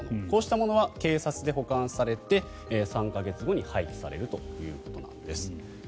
こうしたものは警察で保管されて３か月後に廃棄されるということなんです。